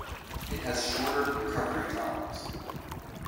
It has shorter recovery times.